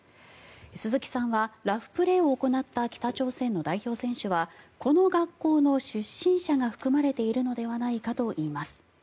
鈴木さんはラフプレーを行った北朝鮮の代表選手はこの学校の出身者が含まれているのではないかといいます。